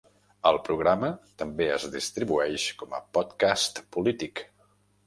El programa també es distribueix com a podcast polític.